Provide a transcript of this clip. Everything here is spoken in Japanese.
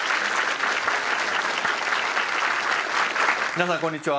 皆さんこんにちは。